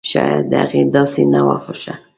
شايد د هغې داسې نه وه خوښه!